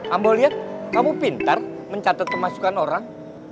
ambo lihat kamu pintar mencatat pemasukan orang